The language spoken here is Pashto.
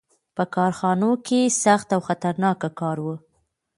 • په کارخانو کې سخت او خطرناک کار و.